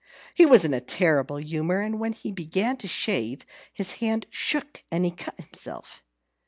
He was in a terrible humour; and when he began to shave, his hand shook and he cut himself.